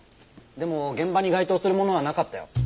でも現場に該当するものはなかったよ。